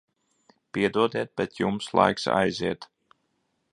Piedodiet, bet jums laiks aiziet.